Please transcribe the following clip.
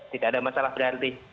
tidak ada masalah berarti